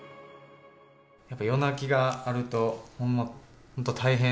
やっぱり夜泣きがあると、本当大変。